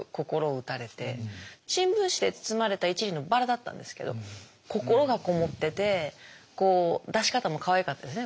新聞紙で包まれた１輪のバラだったんですけど心がこもっててこう出し方もかわいかったんですね。